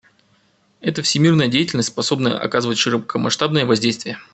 Это всемирная деятельность, способная оказывать широкомасштабное воздействие».